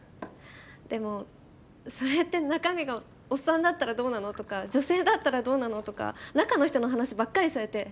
でもそれって中身がおっさんだったらどうなのとか女性だったらどうなのとか中の人の話ばっかりされて。